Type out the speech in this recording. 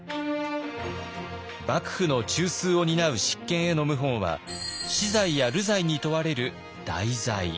幕府の中枢を担う執権への謀反は死罪や流罪に問われる大罪。